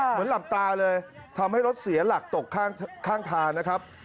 หลับตาเลยทำให้รถเสียหลักตกข้างทางนะครับ